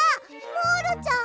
モールちゃん！